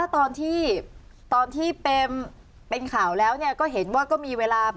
ตอนที่ตอนที่เป็นข่าวแล้วก็เห็นว่าก็มีเวลา